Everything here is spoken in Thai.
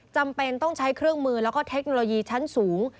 จำเป็นต้องใช้เครื่องมือแล้วก็เทคโนโลยีชั้นสูง